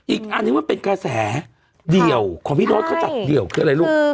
อีกอันนี้มันเป็นกระแสเดี่ยวของพี่โน๊ตเขาจัดเดี่ยวคืออะไรลูก